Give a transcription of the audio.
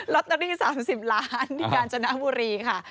ล็อตตัวนี้๓๐ล้านที่การชนะบุรีค่ะ